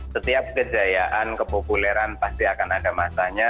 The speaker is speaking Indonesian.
setiap kejayaan kepopuleran pasti akan ada masanya